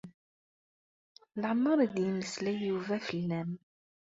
Leɛmeṛ i d-yemmeslay Yuba fell-am.